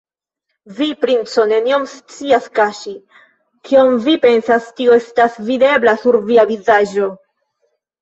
Vi, princo, nenion scias kaŝi: kion vi pensas, tio estas videbla sur via vizaĝo.